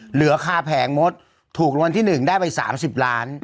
เหลือคาแผงมดถูกรางวัลที่๑ได้ไป๓๐ล้าน